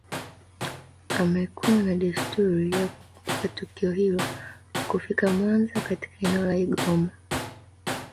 amekuwa na desturi ya kukumbuka tukio hilo kwa kufika Mwanza katika eneo la Igoma